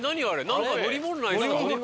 なんか乗り物ないですか？